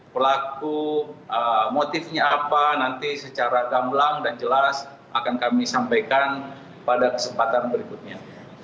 pelaku motifnya apa nanti secara gamblang dan jelas akan kami sampaikan pada kesempatan berikutnya